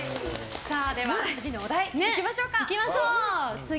次のお題行きましょうか。